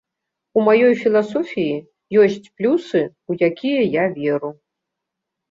У маёй філасофіі ёсць плюсы, у якія я веру.